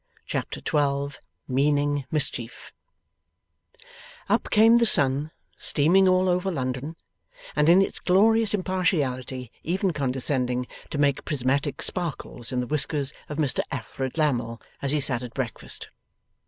Chapter 12 MEANING MISCHIEF Up came the sun, streaming all over London, and in its glorious impartiality even condescending to make prismatic sparkles in the whiskers of Mr Alfred Lammle as he sat at breakfast.